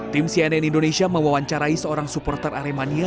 tim cnn indonesia mewawancarai seorang supporter aremania